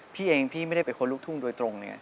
พี่เองพี่ไม่ได้คนรุ่งทุ่งโดยตรง